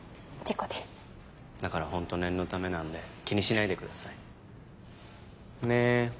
だからホント念のためなんで気にしないでください。ね。